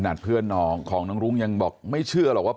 นี่ถนัดเพื่อนของน้องรุ้งยังบอกไม่เชื่อหรอกว่า